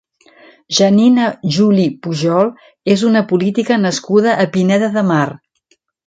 Janina Juli Pujol és una política nascuda a Pineda de Mar.